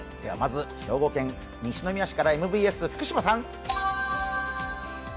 まず兵庫県西宮市からＭＢＳ福島さん。